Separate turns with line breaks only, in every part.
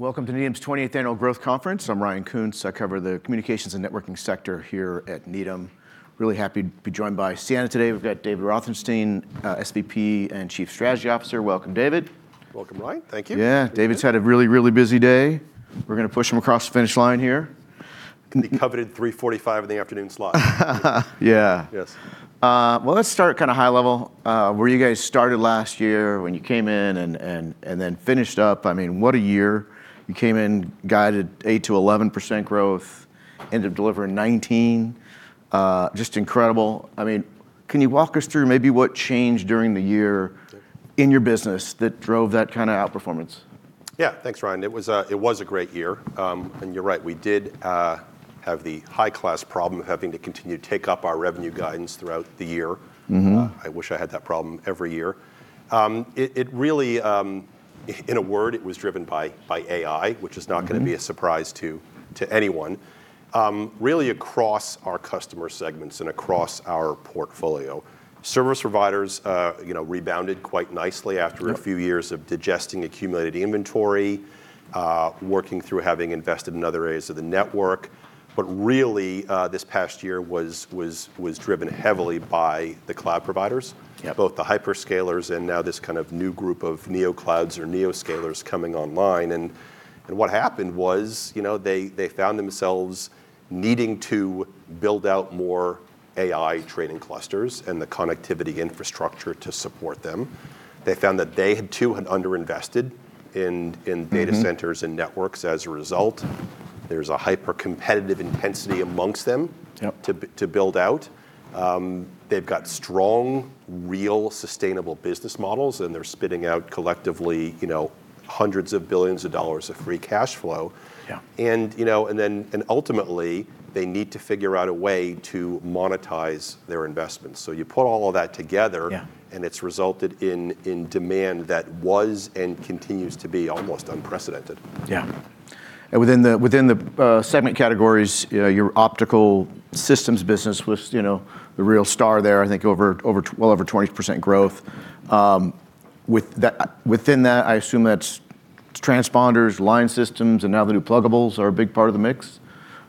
Welcome to Needham's 20th Annual Growth Conference. I'm Ryan Koontz. I cover the communications and networking sector here at Needham. Really happy to be joined by Ciena today. We've got David Rothenstein, SVP and Chief Strategy Officer. Welcome, David.
Welcome, Ryan. Thank you.
Yeah, David's had a really, really busy day. We're going to push him across the finish line here.
He coveted 3:45 P.M. in the afternoon slot.
Yeah.
Yes.
Let's start kind of high level. Where you guys started last year when you came in and then finished up. I mean, what a year. You came in, guided 8%-11% growth, ended up delivering 19%. Just incredible. I mean, can you walk us through maybe what changed during the year in your business that drove that kind of outperformance?
Yeah, thanks, Ryan. It was a great year, and you're right. We did have the high-class problem of having to continue to take up our revenue guidance throughout the year. I wish I had that problem every year. It really, in a word, it was driven by AI, which is not going to be a surprise to anyone. Really, across our customer segments and across our portfolio, service providers rebounded quite nicely after a few years of digesting accumulated inventory, working through having invested in other areas of the network, but really, this past year was driven heavily by the cloud providers, both the hyperscalers and now this kind of new group of neo clouds or NeoScalers coming online, and what happened was they found themselves needing to build out more AI training clusters and the connectivity infrastructure to support them. They found that they had underinvested in data centers and networks as a result. There's a hyper-competitive intensity amongst them to build out. They've got strong, real, sustainable business models, and they're spitting out collectively hundreds of billions of dollars of free cash flow. And then ultimately, they need to figure out a way to monetize their investments. So you put all of that together, and it's resulted in demand that was and continues to be almost unprecedented.
Yeah, and within the segment categories, your optical systems business was the real star there, I think, well over 20% growth. Within that, I assume that's transponders, line systems, and now the new pluggables are a big part of the mix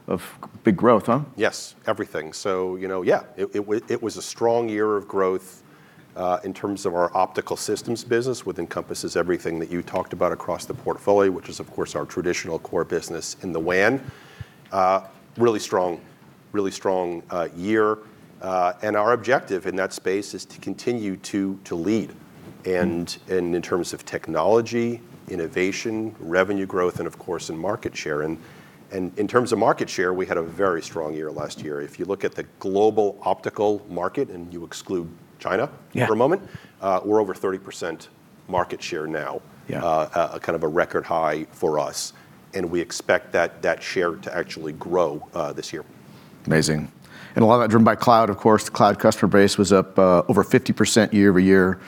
of big growth, huh?
Yes, everything, so yeah, it was a strong year of growth in terms of our optical systems business, which encompasses everything that you talked about across the portfolio, which is, of course, our traditional core business in the WAN. Really strong, really strong year, and our objective in that space is to continue to lead, and in terms of technology, innovation, revenue growth, and, of course, in market share, and in terms of market share, we had a very strong year last year. If you look at the global optical market and you exclude China for a moment, we're over 30% market share now, kind of a record high for us, and we expect that share to actually grow this year.
Amazing. And a lot of that driven by cloud, of course. The cloud customer base was up over 50% year-over-year.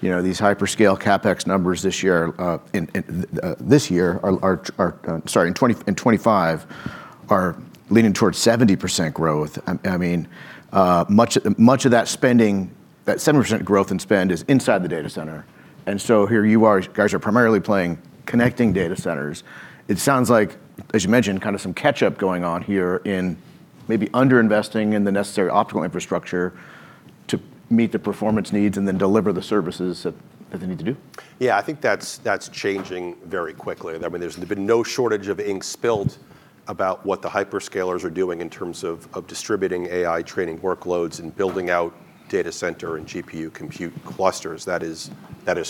These hyperscale CapEx numbers this year are sorry, in 2025, are leaning towards 70% growth. I mean, much of that spending, that 70% growth in spend is inside the data center. And so here you are, you guys are primarily playing connecting data centers. It sounds like, as you mentioned, kind of some catch-up going on here in maybe underinvesting in the necessary optical infrastructure to meet the performance needs and then deliver the services that they need to do.
Yeah, I think that's changing very quickly. I mean, there's been no shortage of ink spilled about what the hyperscalers are doing in terms of distributing AI training workloads and building out data center and GPU compute clusters. That is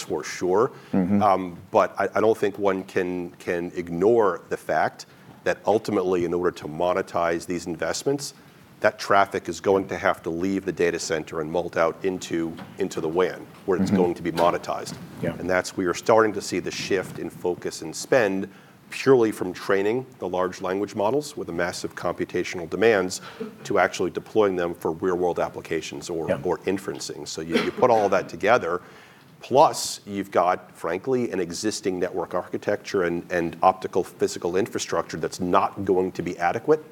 for sure. But I don't think one can ignore the fact that ultimately, in order to monetize these investments, that traffic is going to have to leave the data center and flow out into the WAN, where it's going to be monetized. And that's where you're starting to see the shift in focus and spend purely from training the large language models with the massive computational demands to actually deploying them for real-world applications or inferencing. So you put all that together, plus you've got, frankly, an existing network architecture and optical physical infrastructure that's not going to be adequate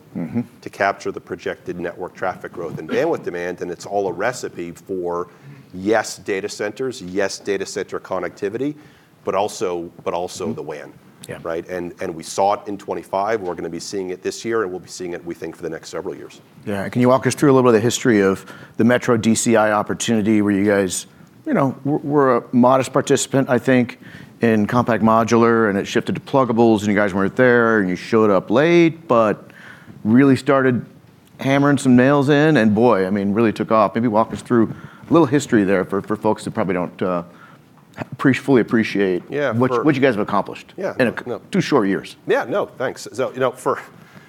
to capture the projected network traffic growth and bandwidth demand. And it's all a recipe for, yes, data centers, yes, data center connectivity, but also the WAN. And we saw it in 2025. We're going to be seeing it this year, and we'll be seeing it, we think, for the next several years.
Yeah. Can you walk us through a little bit of the history of the Metro DCI opportunity where you guys were a modest participant, I think, in compact modular, and it shifted to pluggables, and you guys weren't there, and you showed up late, but really started hammering some nails in, and boy, I mean, really took off. Maybe walk us through a little history there for folks who probably don't fully appreciate what you guys have accomplished in two short years.
Yeah, no, thanks. So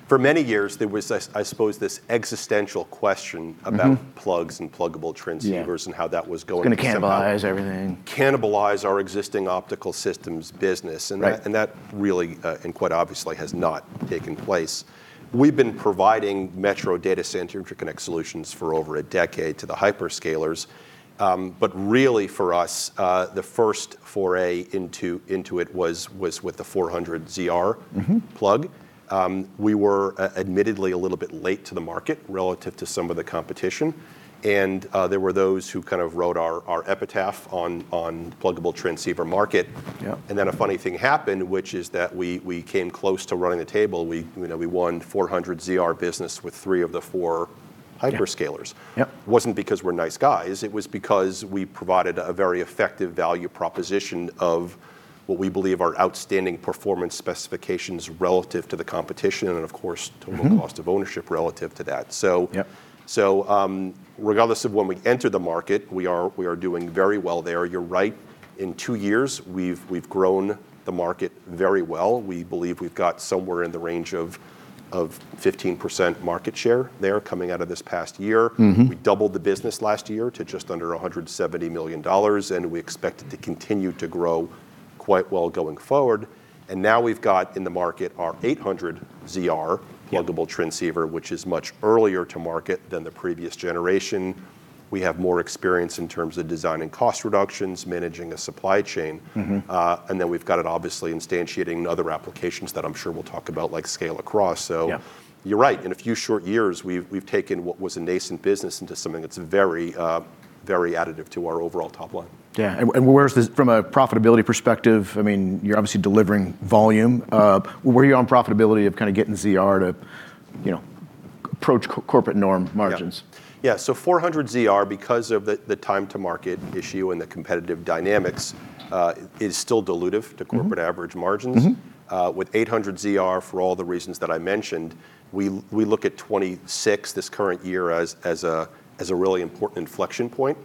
for many years, there was, I suppose, this existential question about plugs and pluggable transceivers and how that was going to.
Cannibalize everything.
Cannibalize our existing optical systems business. And that really, and quite obviously, has not taken place. We've been providing Metro data center interconnect solutions for over a decade to the hyperscalers. But really, for us, the first foray into it was with the 400ZR plug. We were admittedly a little bit late to the market relative to some of the competition. And there were those who kind of wrote our epitaph on the pluggable transceiver market. And then a funny thing happened, which is that we came close to running the table. We won 400ZR business with three of the four hyperscalers. It wasn't because we're nice guys. It was because we provided a very effective value proposition of what we believe are outstanding performance specifications relative to the competition and, of course, total cost of ownership relative to that. So regardless of when we enter the market, we are doing very well there. You're right. In two years, we've grown the market very well. We believe we've got somewhere in the range of 15% market share there coming out of this past year. We doubled the business last year to just under $170 million, and we expect it to continue to grow quite well going forward. And now we've got in the market our 800ZR pluggable transceiver, which is much earlier to market than the previous generation. We have more experience in terms of designing cost reductions, managing a supply chain. And then we've got it obviously instantiating in other applications that I'm sure we'll talk about, like Scale-Across. So you're right. In a few short years, we've taken what was a nascent business into something that's very, very additive to our overall top line.
Yeah, and from a profitability perspective, I mean, you're obviously delivering volume. Where are you on profitability of kind of getting ZR to approach corporate norm margins?
Yeah, so 400ZR, because of the time to market issue and the competitive dynamics, is still dilutive to corporate average margins. With 800ZR, for all the reasons that I mentioned, we look at 2026, this current year, as a really important inflection point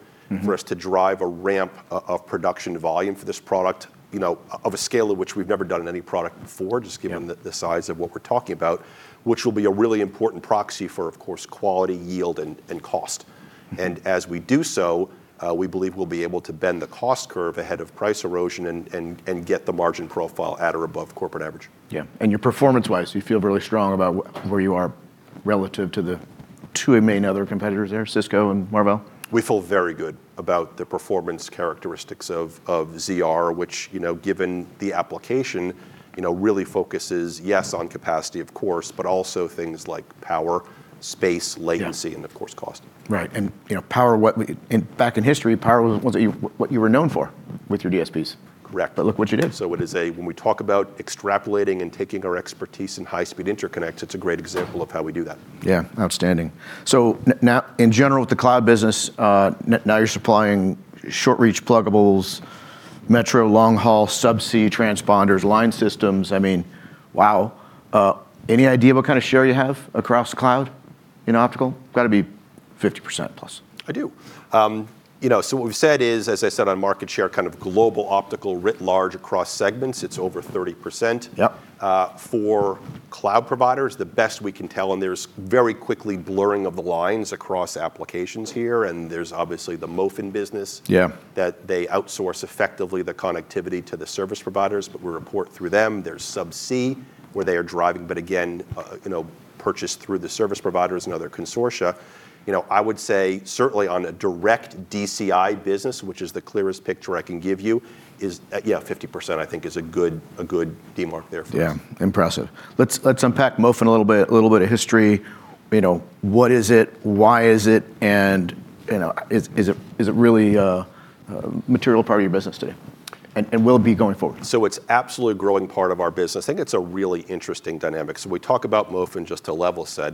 for us to drive a ramp of production volume for this product, of a scale of which we've never done any product before, just given the size of what we're talking about, which will be a really important proxy for, of course, quality, yield, and cost, and as we do so, we believe we'll be able to bend the cost curve ahead of price erosion and get the margin profile at or above corporate average.
Yeah. And you're performance-wise, you feel really strong about where you are relative to the two main other competitors there, Cisco and Marvell?
We feel very good about the performance characteristics of ZR, which, given the application, really focuses, yes, on capacity, of course, but also things like power, space, latency, and of course, cost.
Right. And power, back in history, power wasn't what you were known for with your DSPs.
Correct.
But look what you did.
So when we talk about extrapolating and taking our expertise in high-speed interconnects, it's a great example of how we do that.
Yeah, outstanding. So now, in general, with the cloud business, now you're supplying short-reach pluggables, Metro long-haul subsea transponders, line systems. I mean, wow. Any idea what kind of share you have across the cloud in optical? Got to be 50%+.
I do. So what we've said is, as I said, on market share, kind of global optical writ large across segments, it's over 30%. For cloud providers, the best we can tell, and there's very quickly blurring of the lines across applications here, and there's obviously the MOFN business that they outsource effectively the connectivity to the service providers, but we report through them. There's subsea where they are driving, but again, purchased through the service providers and other consortia. I would say certainly on a direct DCI business, which is the clearest picture I can give you, yeah, 50%, I think, is a good demarc there for us.
Yeah, impressive. Let's unpack MOFN a little bit, a little bit of history. What is it? Why is it? And is it really a material part of your business today? And will it be going forward?
So it's absolutely a growing part of our business. I think it's a really interesting dynamic. So we talk about MOFN just to level set.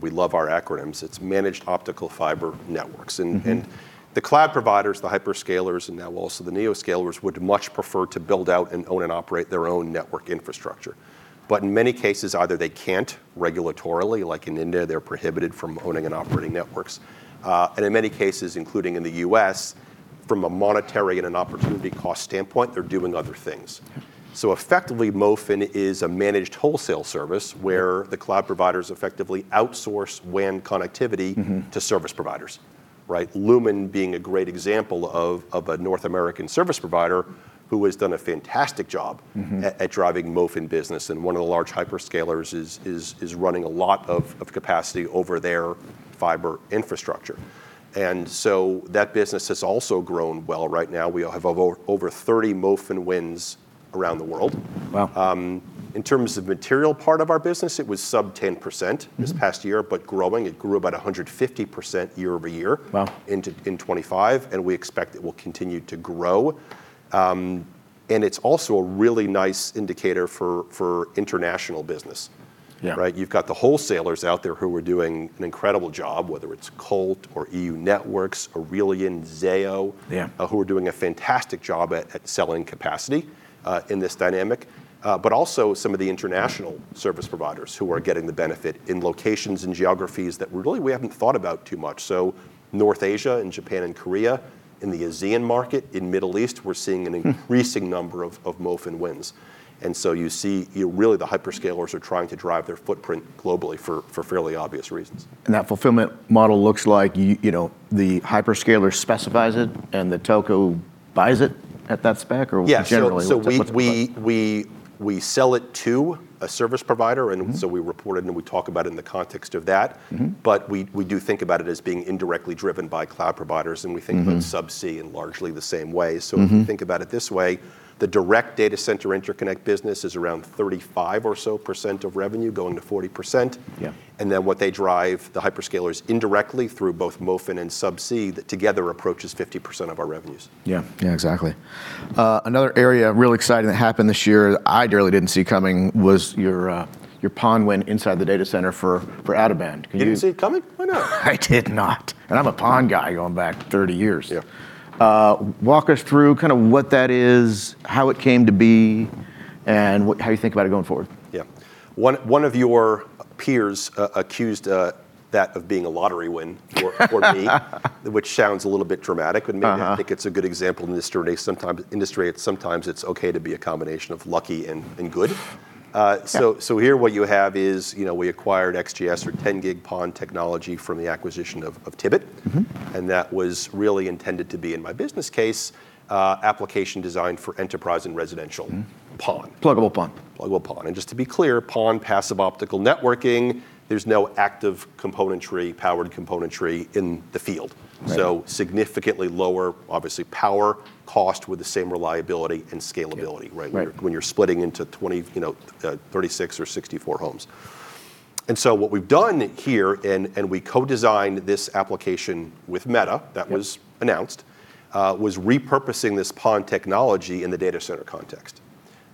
We love our acronyms. It's Managed Optical Fiber Networks. And the cloud providers, the hyperscalers, and now also the NeoScalers would much prefer to build out and own and operate their own network infrastructure. But in many cases, either they can't regulatorily, like in India, they're prohibited from owning and operating networks. And in many cases, including in the U.S., from a monetary and an opportunity cost standpoint, they're doing other things. So effectively, MOFN is a managed wholesale service where the cloud providers effectively outsource WAN connectivity to service providers. Lumen being a great example of a North American service provider who has done a fantastic job at driving MOFN business. One of the large hyperscalers is running a lot of capacity over their fiber infrastructure. So that business has also grown well right now. We have over 30 MOFN WANs around the world.
Wow.
In terms of the material part of our business, it was sub 10% this past year, but growing. It grew about 150% year over year in 2025, and we expect it will continue to grow, and it's also a really nice indicator for international business. You've got the wholesalers out there who are doing an incredible job, whether it's Colt or euNetworks, Arelion, Zayo, who are doing a fantastic job at selling capacity in this dynamic, but also some of the international service providers who are getting the benefit in locations and geographies that really we haven't thought about too much, so North Asia and Japan and Korea in the ASEAN market, in the Middle East, we're seeing an increasing number of MOFN WANs, and so you see really the hyperscalers are trying to drive their footprint globally for fairly obvious reasons.
And that fulfillment model looks like the hyperscaler specifies it, and the telco buys it at that spec, or generally it's a flip side.
So we sell it to a service provider. And so we report it, and we talk about it in the context of that. But we do think about it as being indirectly driven by cloud providers, and we think about subsea in largely the same way. So if you think about it this way, the direct data center interconnect business is around 35% or so of revenue going to 40%. And then what they drive, the hyperscalers indirectly through both Mofin and subsea, that together approaches 50% of our revenues.
Yeah, yeah, exactly. Another area really exciting that happened this year that I really didn't see coming was your PON WAN inside the data center for out-of-band.
Didn't see it coming? Why not?
I did not, and I'm a PON guy going back 30 years. Walk us through kind of what that is, how it came to be, and how you think about it going forward.
Yeah. One of your peers accused that of being a lottery win for me, which sounds a little bit dramatic, but maybe I think it's a good example in this journey. Sometimes industry, sometimes it's okay to be a combination of lucky and good. So here what you have is we acquired XGS or 10 gig PON technology from the acquisition of Tibit. And that was really intended to be, in my business case, application designed for enterprise and residential PON.
Pluggable PON.
Pluggable PON, and just to be clear, PON, passive optical network, there's no active componentry, powered componentry in the field, so significantly lower, obviously, power cost with the same reliability and scalability when you're splitting into 36 or 64 homes, and so what we've done here, and we co-designed this application with Meta that was announced, was repurposing this PON technology in the data center context,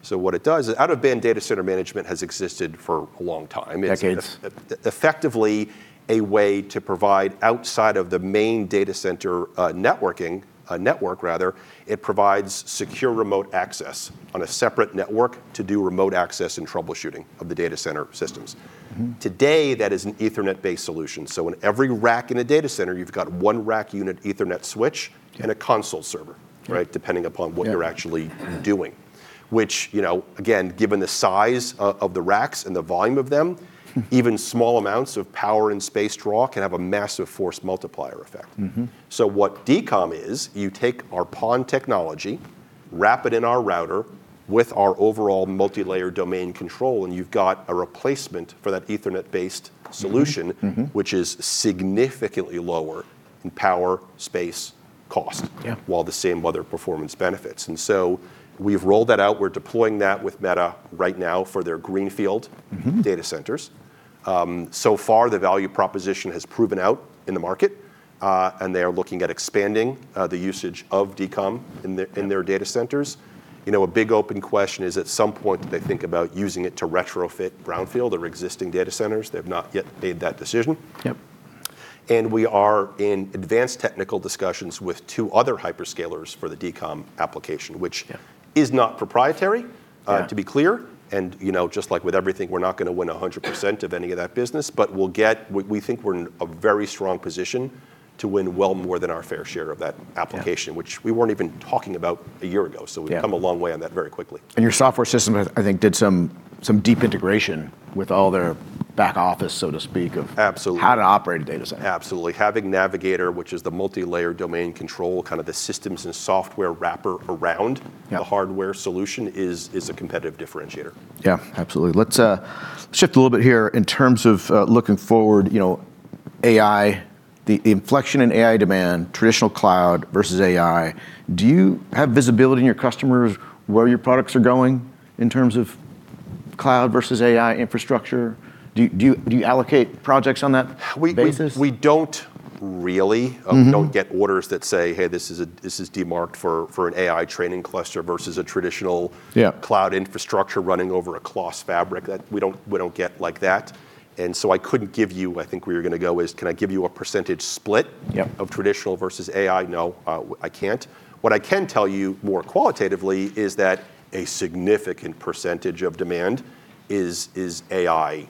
so what it does is out-of-band data center management has existed for a long time.
Decades.
It's effectively a way to provide outside of the main data center networking, network, rather. It provides secure remote access on a separate network to do remote access and troubleshooting of the data center systems. Today, that is an Ethernet-based solution. So in every rack in a data center, you've got one rack unit Ethernet switch and a console server, depending upon what you're actually doing. Which, again, given the size of the racks and the volume of them, even small amounts of power and space draw can have a massive force multiplier effect. So what DCOM is, you take our PON technology, wrap it in our router with our overall multi-layer domain control, and you've got a replacement for that Ethernet-based solution, which is significantly lower in power, space, cost, while the same other performance benefits, and so we've rolled that out. We're deploying that with Meta right now for their greenfield data centers. So far, the value proposition has proven out in the market, and they are looking at expanding the usage of DCOM in their data centers. A big open question is at some point, do they think about using it to retrofit brownfield or existing data centers? They've not yet made that decision, and we are in advanced technical discussions with two other hyperscalers for the DCOM application, which is not proprietary, to be clear, and just like with everything, we're not going to win 100% of any of that business, but we think we're in a very strong position to win well more than our fair share of that application, which we weren't even talking about a year ago, so we've come a long way on that very quickly.
Your software system, I think, did some deep integration with all their back office, so to speak, of how to operate a data center.
Absolutely. Having Navigator, which is the multi-layer domain control, kind of the systems and software wrapper around the hardware solution is a competitive differentiator.
Yeah, absolutely. Let's shift a little bit here in terms of looking forward, AI, the inflection in AI demand, traditional cloud versus AI. Do you have visibility in your customers where your products are going in terms of cloud versus AI infrastructure? Do you allocate projects on that basis?
We don't really. We don't get orders that say, "Hey, this is demarked for an AI training cluster versus a traditional cloud infrastructure running over a Clos fabric." We don't get like that. And so I couldn't give you, I think we were going to go, is can I give you a percentage split of traditional versus AI? No, I can't. What I can tell you more qualitatively is that a significant percentage of demand is AI-driven.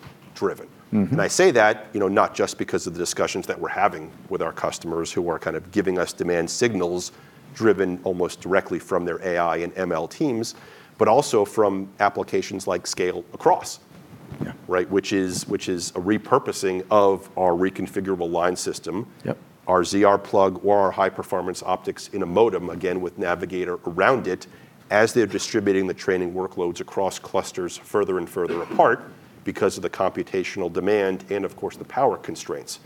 And I say that not just because of the discussions that we're having with our customers who are kind of giving us demand signals driven almost directly from their AI and ML teams, but also from applications like Scale-Across, which is a repurposing of our Reconfigurable Line System, our ZR plug, or our high-performance optics in a modem, again with Navigator around it as they're distributing the training workloads across clusters further and further apart because of the computational demand and, of course, the power constraints.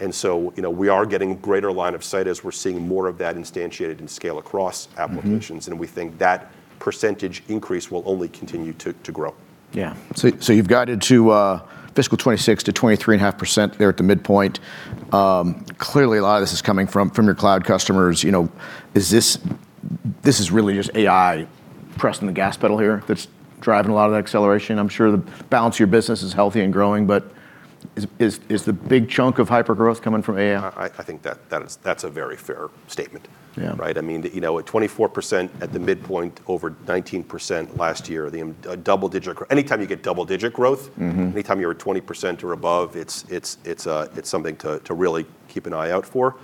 And so we are getting a greater line of sight as we're seeing more of that instantiated in Scale-Across applications. And we think that percentage increase will only continue to grow.
Yeah. So you've got it to fiscal 2026 to 23.5% there at the midpoint. Clearly, a lot of this is coming from your cloud customers. This is really just AI pressing the gas pedal here that's driving a lot of the acceleration. I'm sure the balance of your business is healthy and growing, but is the big chunk of hypergrowth coming from AI?
I think that's a very fair statement. I mean, at 24% at the midpoint, over 19% last year, anytime you get double-digit growth, anytime you're at 20% or above, it's something to really keep an eye out for.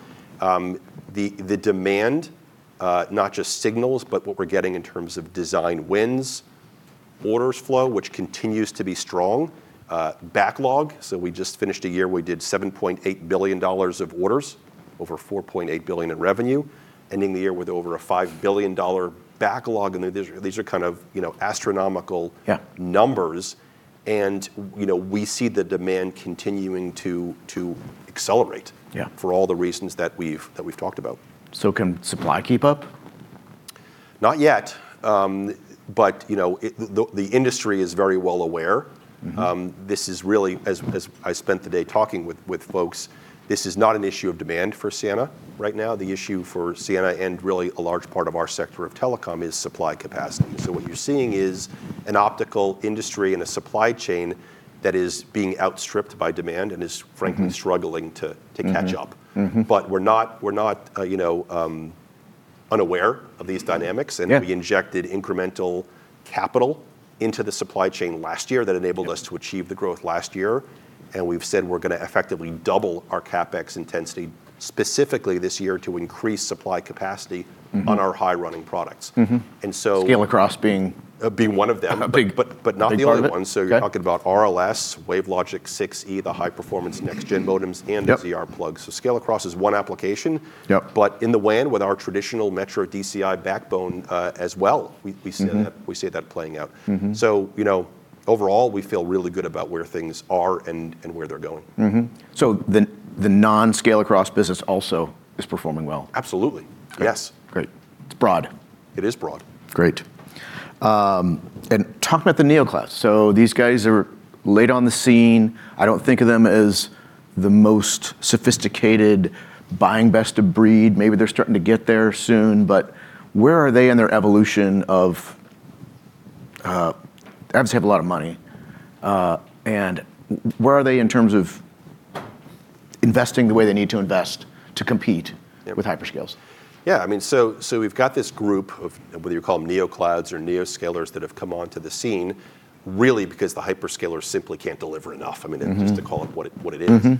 The demand, not just signals, but what we're getting in terms of design wins, order flow, which continues to be strong, backlog. So we just finished a year where we did $7.8 billion of orders, over $4.8 billion in revenue, ending the year with over a $5 billion backlog. And these are kind of astronomical numbers. And we see the demand continuing to accelerate for all the reasons that we've talked about.
Can supply keep up?
Not yet. But the industry is very well aware. This is really, as I spent the day talking with folks, this is not an issue of demand for Ciena right now. The issue for Ciena and really a large part of our sector of telecom is supply capacity. So what you're seeing is an optical industry and a supply chain that is being outstripped by demand and is, frankly, struggling to catch up. But we're not unaware of these dynamics. And we injected incremental capital into the supply chain last year that enabled us to achieve the growth last year. And we've said we're going to effectively double our CapEx intensity specifically this year to increase supply capacity on our high-running products.
Scale-Across being?
Being one of them, but not the only one. So you're talking about RLS, WaveLogic 6E, the high-performance next-gen modems, and the ZR plugs. So Scale Across is one application. But in the WAN with our traditional Metro DCI backbone as well, we see that playing out. So overall, we feel really good about where things are and where they're going.
So the non-Scale-Across business also is performing well?
Absolutely. Yes.
Great. It's broad.
It is broad.
Great. And talking about the NeoScalers. So these guys are late on the scene. I don't think of them as the most sophisticated, buying best of breed. Maybe they're starting to get there soon. But where are they in their evolution, obviously they have a lot of money. And where are they in terms of investing the way they need to invest to compete with hyperscalers?
Yeah. I mean, so we've got this group of whether you call them NeoClouds or NeoScalers that have come onto the scene, really because the hyperscalers simply can't deliver enough. I mean, just to call it what it is.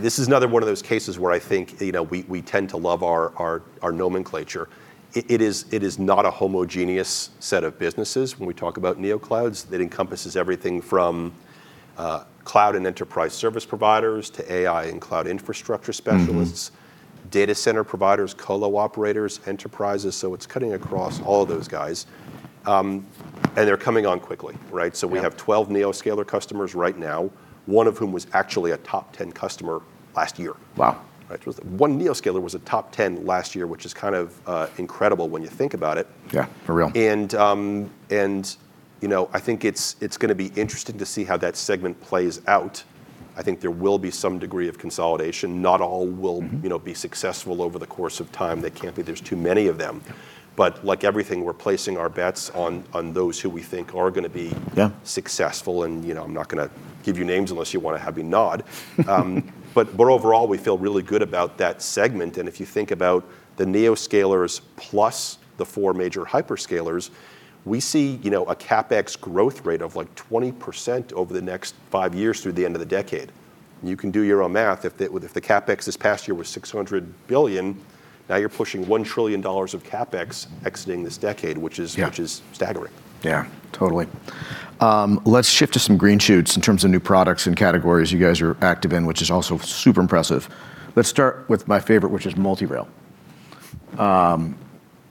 This is another one of those cases where I think we tend to love our nomenclature. It is not a homogeneous set of businesses when we talk about NeoClouds. It encompasses everything from cloud and enterprise service providers to AI and cloud infrastructure specialists, data center providers, colo operators, enterprises. So it's cutting across all of those guys. And they're coming on quickly. So we have 12 NeoScaler customers right now, one of whom was actually a top 10 customer last year.
Wow.
One NeoScaler was a top 10 last year, which is kind of incredible when you think about it.
Yeah, for real.
I think it's going to be interesting to see how that segment plays out. I think there will be some degree of consolidation. Not all will be successful over the course of time. There can't be; there's too many of them. But like everything, we're placing our bets on those who we think are going to be successful. And I'm not going to give you names unless you want to have me nod. But overall, we feel really good about that segment. And if you think about the NeoScalers plus the four major hyperscalers, we see a CapEx growth rate of like 20% over the next five years through the end of the decade. You can do your own math. If the CapEx this past year was $600 billion, now you're pushing $1 trillion of CapEx exiting this decade, which is staggering.
Yeah, totally. Let's shift to some green shoots in terms of new products and categories you guys are active in, which is also super impressive. Let's start with my favorite, which is MultiRail.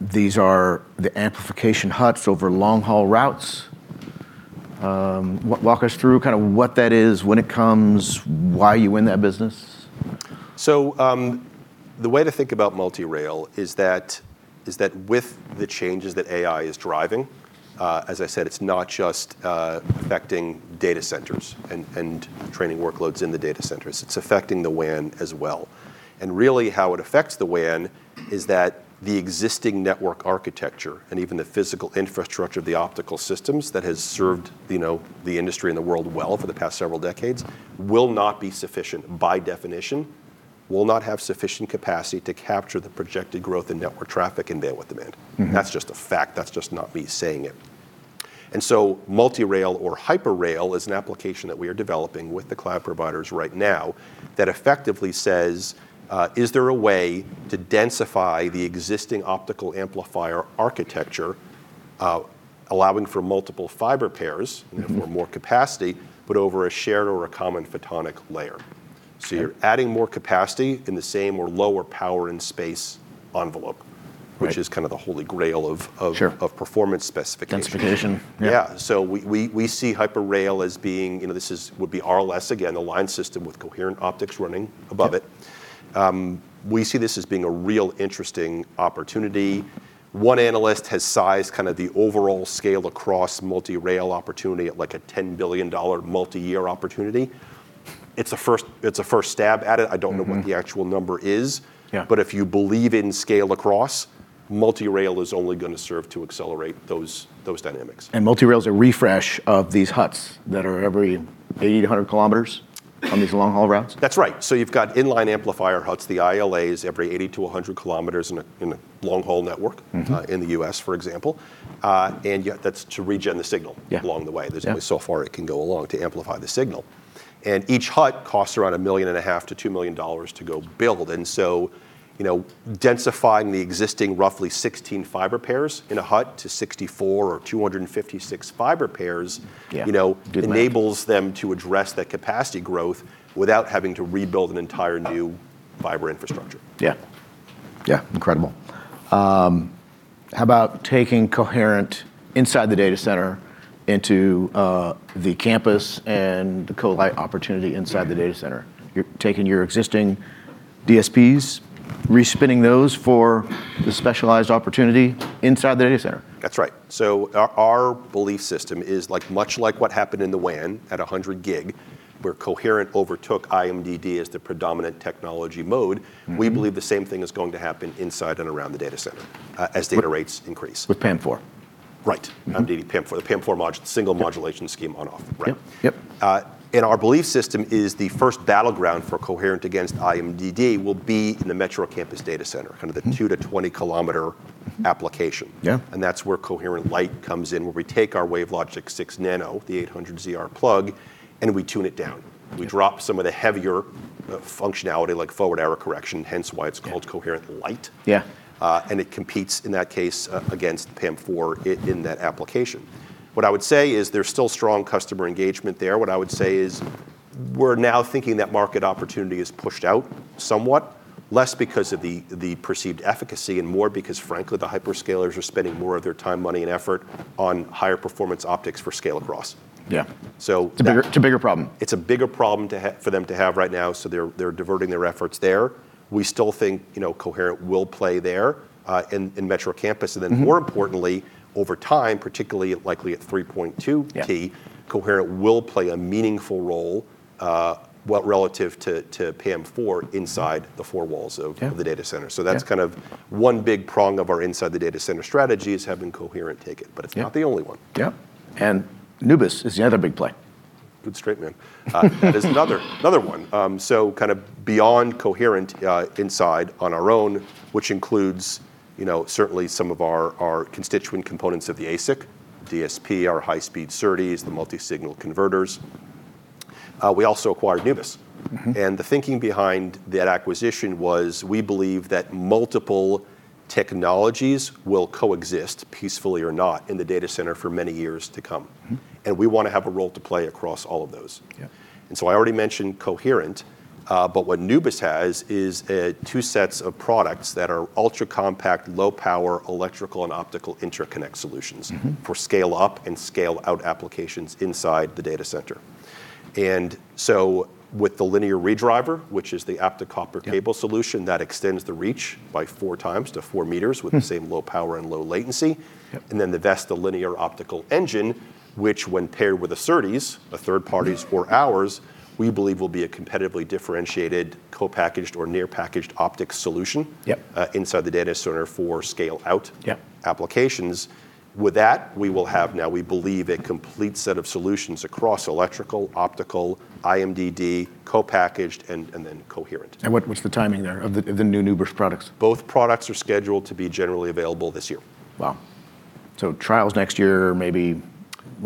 These are the amplification huts over long-haul routes. Walk us through kind of what that is, when it comes, why you win that business.
So the way to think about MultiRail is that with the changes that AI is driving, as I said, it's not just affecting data centers and training workloads in the data centers. It's affecting the WAN as well. And really how it affects the WAN is that the existing network architecture and even the physical infrastructure of the optical systems that has served the industry and the world well for the past several decades will not be sufficient by definition, will not have sufficient capacity to capture the projected growth in network traffic and bandwidth demand. That's just a fact. That's just not me saying it. And so MultiRail or HyperRail is an application that we are developing with the cloud providers right now that effectively says, is there a way to densify the existing optical amplifier architecture, allowing for multiple fiber pairs and therefore more capacity, but over a shared or a common photonic layer? So you're adding more capacity in the same or lower power and space envelope, which is kind of the holy grail of performance specification.
Densification.
Yeah. So we see HyperRail as being this would be RLS again, the line system with coherent optics running above it. We see this as being a real interesting opportunity. One analyst has sized kind of the overall Scale-Across MultiRail opportunity at like a $10 billion multi-year opportunity. It's a first stab at it. I don't know what the actual number is. But if you believe in Scale-Across, MultiRail is only going to serve to accelerate those dynamics.
MultiRail is a refresh of these huts that are every 80 to100 km on these long-haul routes?
That's right. So you've got inline amplifier huts, the ILAs, every 80 km-100 km in a long-haul network in the U.S., for example. And that's to regen the signal along the way. There's only so far it can go along to amplify the signal. And each hut costs around $1.5 million-$2 million to go build. And so densifying the existing roughly 16 fiber pairs in a hut to 64 or 256 fiber pairs enables them to address that capacity growth without having to rebuild an entire new fiber infrastructure.
Yeah. Yeah, incredible. How about taking coherent inside the data center into the campus and the Coherent Light opportunity inside the data center? You're taking your existing DSPs, respinning those for the specialized opportunity inside the data center.
That's right. So our belief system is much like what happened in the WAN at 100 gig, where coherent overtook IMDD as the predominant technology mode. We believe the same thing is going to happen inside and around the data center as data rates increase.
With PAM4.
Right. IMDD PAM4, the PAM4 single modulation scheme on-off. Our belief is the first battleground for coherent against IMDD will be in the metro campus data center, kind of the 2 km-20-km application. That's where Coherent Lite comes in, where we take our WaveLogic 6 Nano, the 800ZR pluggable, and we tune it down. We drop some of the heavier functionality like forward error correction, hence why it's called Coherent Lite. It competes in that case against PAM4 in that application. What I would say is there's still strong customer engagement there. What I would say is we're now thinking that market opportunity is pushed out somewhat, less because of the perceived efficacy and more because, frankly, the hyperscalers are spending more of their time, money, and effort on higher performance optics for Scale-Across.
Yeah. It's a bigger problem.
It's a bigger problem for them to have right now. So they're diverting their efforts there. We still think coherent will play there in Metro campus. And then more importantly, over time, particularly likely at 3.2T, coherent will play a meaningful role relative to PAM4 inside the four walls of the data center. So that's kind of one big prong of our inside the data center strategy is having coherent take it. But it's not the only one.
Yeah, and Nubis is the other big play.
That is another one. So kind of beyond coherent optics on our own, which includes certainly some of our constituent components of the ASIC, DSP, our high-speed SerDes, the multi-DAC converters. We also acquired Nubis, and the thinking behind that acquisition was we believe that multiple technologies will coexist, peacefully or not, in the data center for many years to come, and we want to have a role to play across all of those. I already mentioned coherent, but what Nubis has is two sets of products that are ultra-compact, low-power electrical and optical interconnect solutions for scale-up and scale-out applications inside the data center, and so with the linear redriver, which is the optics copper cable solution that extends the reach by four times to four meters with the same low power and low latency. Then the Vesta linear optical engine, which when paired with the SerDes, a third party's or ours, we believe will be a competitively differentiated, co-packaged, or near-packaged optic solution inside the data center for scale-out applications. With that, we will have now, we believe, a complete set of solutions across electrical, optical, IMDD, co-packaged, and then coherent.
What's the timing there of the new Nubis products?
Both products are scheduled to be generally available this year.
Wow. So trials next year, maybe.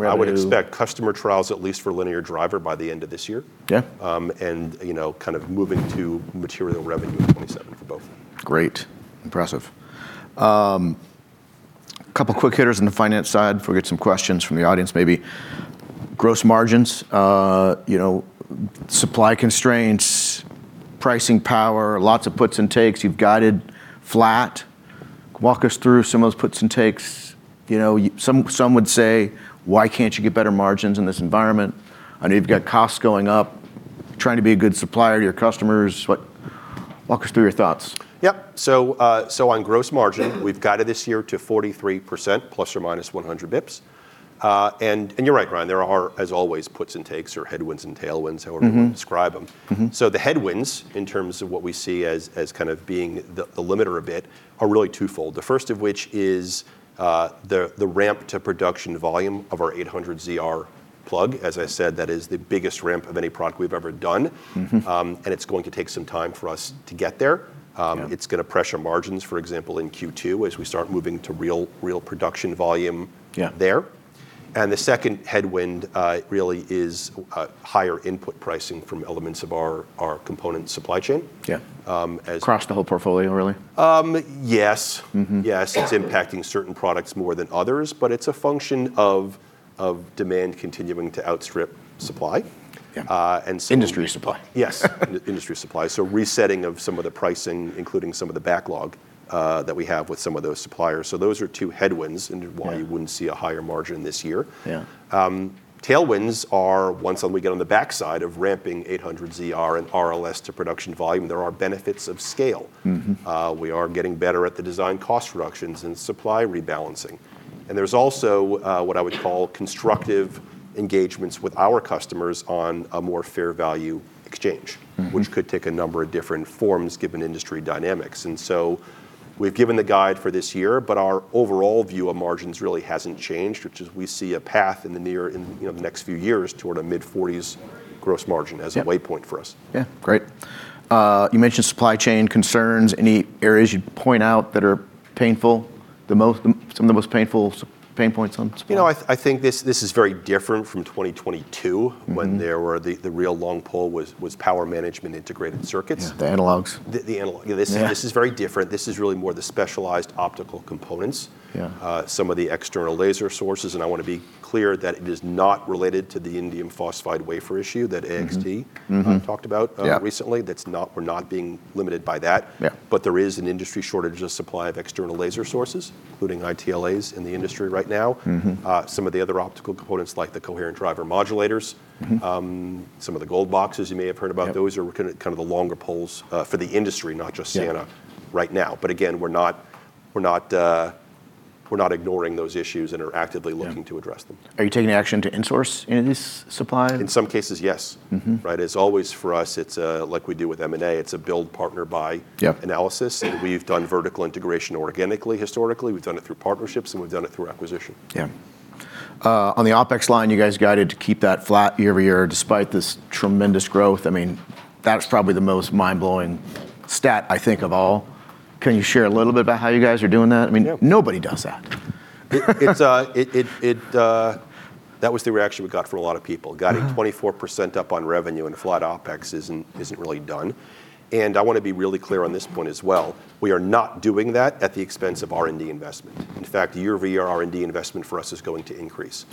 I would expect customer trials at least for Linear Redriver by the end of this year, and kind of moving to material revenue in 2027 for both.
Great. Impressive. A couple of quick hitters on the finance side before we get some questions from the audience, maybe. Gross margins, supply constraints, pricing power, lots of puts and takes. You've guided flat. Walk us through some of those puts and takes? Some would say, why can't you get better margins in this environment? I know you've got costs going up, trying to be a good supplier to your customers. Walk us through your thoughts?
Yep. So on gross margin, we've guided this year to 43%± 100 basis points. And you're right, Ryan. There are, as always, puts and takes or headwinds and tailwinds, however you want to describe them. So the headwinds in terms of what we see as kind of being the limiter a bit are really twofold. The first of which is the ramp to production volume of our 800ZR plug. As I said, that is the biggest ramp of any product we've ever done. And it's going to take some time for us to get there. It's going to pressure margins, for example, in Q2 as we start moving to real production volume there. And the second headwind really is higher input pricing from elements of our component supply chain.
Across the whole portfolio, really?
Yes. Yes. It's impacting certain products more than others. But it's a function of demand continuing to outstrip supply.
Industry supply.
Yes. Industry supply. So resetting of some of the pricing, including some of the backlog that we have with some of those suppliers. So those are two headwinds and why you wouldn't see a higher margin this year. Tailwinds are once we get on the backside of ramping 800ZR and RLS to production volume, there are benefits of scale. We are getting better at the design cost reductions and supply rebalancing. And there's also what I would call constructive engagements with our customers on a more fair value exchange, which could take a number of different forms given industry dynamics. And so we've given the guide for this year. But our overall view of margins really hasn't changed, which is we see a path in the next few years toward a mid-40s gross margin as a waypoint for us.
Yeah. Great. You mentioned supply chain concerns. Any areas you'd point out that are painful, some of the most painful pain points on supply?
You know, I think this is very different from 2022 when the real long pull was power management integrated circuits.
The analogs.
The analogs. This is very different. This is really more the specialized optical components, some of the external laser sources, and I want to be clear that it is not related to the indium phosphide wafer issue that AXT talked about recently. We're not being limited by that, but there is an industry shortage of supply of external laser sources, including ITLAs in the industry right now. Some of the other optical components like the coherent driver modulators, some of the gold boxes you may have heard about, those are kind of the longer poles for the industry, not just Ciena right now, but again, we're not ignoring those issues and are actively looking to address them.
Are you taking action to insource any of these supplies?
In some cases, yes. As always for us, like we do with M&A, it's a build partner-buy analysis. We've done vertical integration organically, historically. We've done it through partnerships, and we've done it through acquisition.
Yeah. On the OpEx line, you guys guided to keep that flat year over year despite this tremendous growth. I mean, that's probably the most mind-blowing stat I think of all. Can you share a little bit about how you guys are doing that? I mean, nobody does that.
That was the reaction we got from a lot of people. Guiding 24% up on revenue and flat OpEx isn't really done. I want to be really clear on this point as well. We are not doing that at the expense of R&D investment. In fact, year-over-year R&D investment for us is going to increase.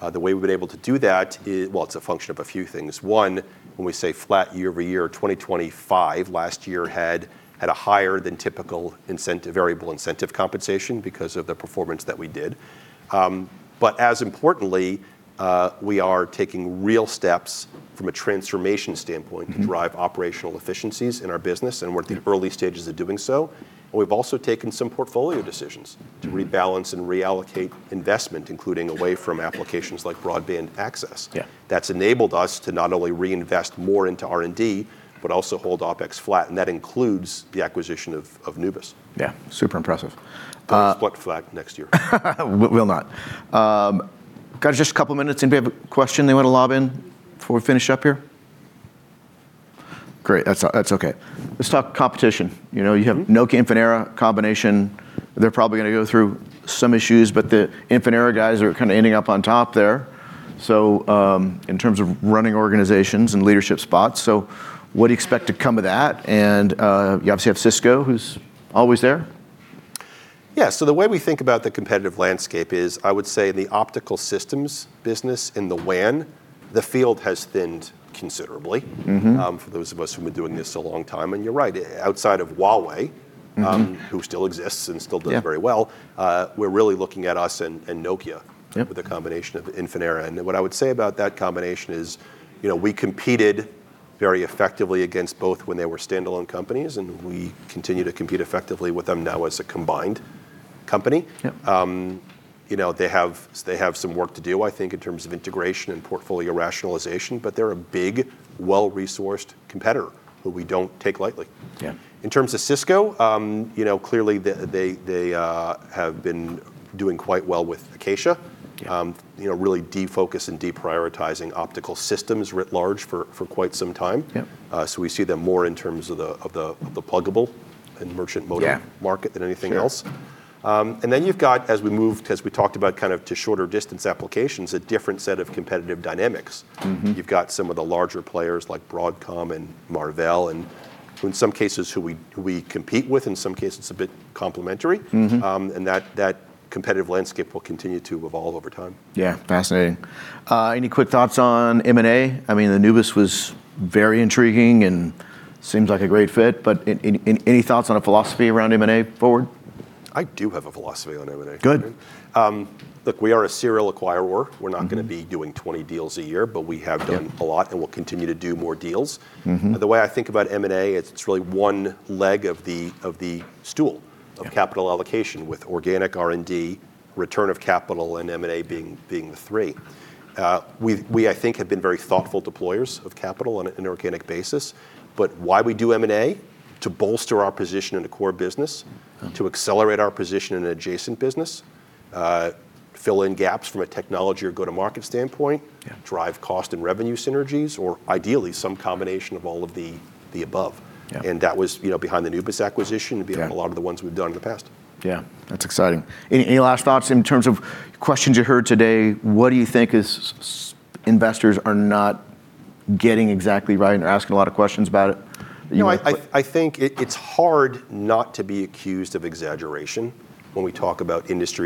The way we've been able to do that is, well, it's a function of a few things. One, when we say flat year-over-year, 2025 last year had a higher than typical variable incentive compensation because of the performance that we did. As importantly, we are taking real steps from a transformation standpoint to drive operational efficiencies in our business. We're at the early stages of doing so. We've also taken some portfolio decisions to rebalance and reallocate investment, including away from applications like broadband access. That's enabled us to not only reinvest more into R&D, but also hold OpEx flat, and that includes the acquisition of Nubis.
Yeah. Super impressive.
We'll split flat next year.
Will not. Got just a couple of minutes in. Do we have a question they want to lob in before we finish up here? Great. That's okay. Let's talk competition. You have Nokia, Infinera, combination. They're probably going to go through some issues. But the Infinera guys are kind of ending up on top there. So in terms of running organizations and leadership spots, so what do you expect to come of that? And you obviously have Cisco, who's always there.
Yeah. So the way we think about the competitive landscape is I would say in the optical systems business in the WAN, the field has thinned considerably for those of us who've been doing this a long time. And you're right. Outside of Huawei, who still exists and still does very well, we're really looking at us and Nokia with a combination of Infinera. And what I would say about that combination is we competed very effectively against both when they were standalone companies. And we continue to compete effectively with them now as a combined company. They have some work to do, I think, in terms of integration and portfolio rationalization. But they're a big, well-resourced competitor who we don't take lightly. In terms of Cisco, clearly they have been doing quite well with Acacia, really defocusing and deprioritizing optical systems writ large for quite some time. So we see them more in terms of the pluggable and merchant modem market than anything else. And then you've got, as we talked about, kind of to shorter distance applications, a different set of competitive dynamics. You've got some of the larger players like Broadcom and Marvell, and in some cases who we compete with, in some cases a bit complementary. And that competitive landscape will continue to evolve over time.
Yeah. Fascinating. Any quick thoughts on M&A? I mean, the Nubis was very intriguing and seems like a great fit. But any thoughts on a philosophy around M&A forward?
I do have a philosophy on M&A.
Good.
Look, we are a serial acquirer. We're not going to be doing 20 deals a year, but we have done a lot and will continue to do more deals. The way I think about M&A, it's really one leg of the stool of capital allocation with organic R&D, return of capital, and M&A being the three. We, I think, have been very thoughtful deployers of capital on an inorganic basis. But why we do M&A? To bolster our position in a core business, to accelerate our position in an adjacent business, fill in gaps from a technology or go-to-market standpoint, drive cost and revenue synergies, or ideally some combination of all of the above. That was behind the Nubis acquisition and behind a lot of the ones we've done in the past.
Yeah. That's exciting. Any last thoughts in terms of questions you heard today? What do you think investors are not getting exactly right and are asking a lot of questions about it?
I think it's hard not to be accused of exaggeration when we talk about industry.